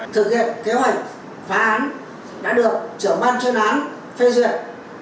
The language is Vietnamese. thực hiện kế hoạch phá án đã được trưởng ban chuyên án phê duyệt